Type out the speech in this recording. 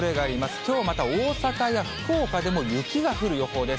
きょうはまた大阪や福岡でも雪が降る予報です。